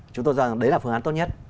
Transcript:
chúng tôi cho rằng đấy là phương án tốt nhất